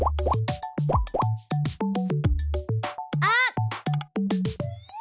あっ！